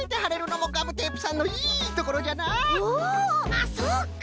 あっそうか！